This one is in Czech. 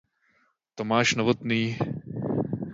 Tomáš Novotný.